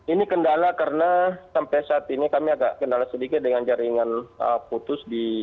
ini kendala karena sampai saat ini kami agak kendala sedikit dengan jaringan putus